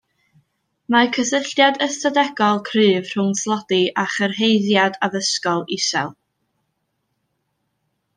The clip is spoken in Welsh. Mae cysylltiad ystadegol cryf rhwng tlodi a chyrhaeddiad addysgol isel